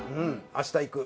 明日行く。